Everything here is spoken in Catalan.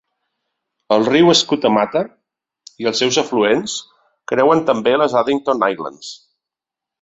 El riu Skootamatta i els seus afluents creuen també les Addington Highlands.